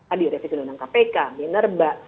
adi resisi undang kpk minerba